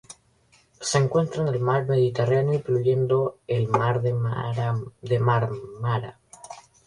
Se encuentra en el Mar Mediterráneo, incluyendo el Mar de Mármara.